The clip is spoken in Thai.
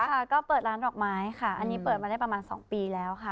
ค่ะก็เปิดร้านดอกไม้ค่ะอันนี้เปิดมาได้ประมาณ๒ปีแล้วค่ะ